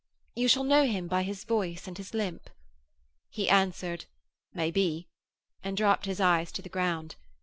'You shall know him by his voice and his limp.' He answered, 'Maybe,' and dropped his eyes to the ground.